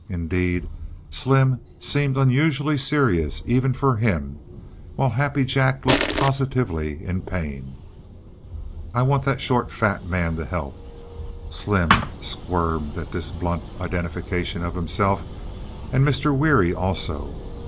Indeed, Slim seemed unusually serious, even for him, while Happy Jack looked positively in pain. "I want that short, fat man to help" (Slim squirmed at this blunt identification of himself) "and Mr. Weary, also."